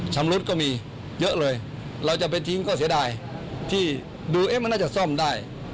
ชำรุดก็มีเยอะเลยเราจะไปทิ้งก็เสียดายที่ดูเอ๊ะมันน่าจะซ่อมได้